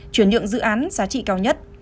chuyển nhượng dự án giá trị cao nhất